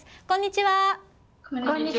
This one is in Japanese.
こんにちはー